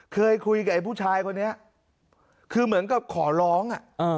เคยคุยกับไอ้ผู้ชายคนนี้คือเหมือนกับขอร้อง